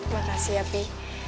makasih ya pi